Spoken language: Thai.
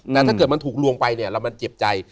แต่ถ้าเกิดมันถูกลวงไปเนี่ยแล้วมันเจ็บใจ